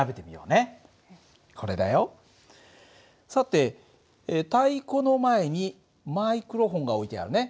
さて太鼓の前にマイクロフォンが置いてあるね。